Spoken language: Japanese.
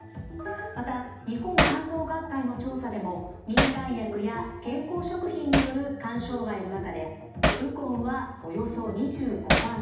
また日本肝臓学会の調査でも民間薬や健康食品による肝障害の中でウコンはおよそ２５％。